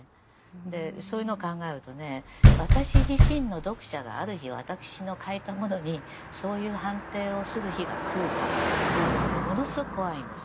でそういうのを考えるとね私自身の読者がある日私の書いたものにそういう判定をする日が来るかということがものすごく怖いんです。